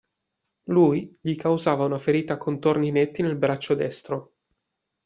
Lui gli causava una ferita a contorni netti nel braccio destro.